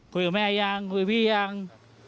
คุยกับแม่ยังคุยพี่ยัง